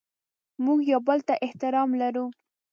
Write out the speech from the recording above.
موږ یو بل ته احترام لرو.